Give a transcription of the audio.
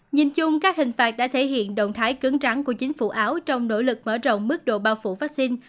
nhìn chung các hình phạt đã thể hiện động thái cứng trắng của chính phủ áo trong nỗ lực mở rộng mức độ bao phủ vaccine